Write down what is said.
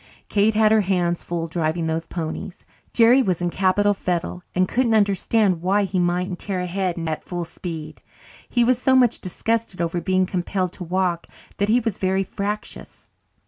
Kate had her hands full driving those ponies. Jerry was in capital fettle and couldn't understand why he mightn't tear ahead at full speed. He was so much disgusted over being compelled to walk that he was very fractious.